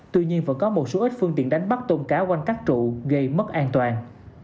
tuy nhiên vẫn có một số ít phương tiện đánh bắt tôm cá quanh các trụ gây mất an toàn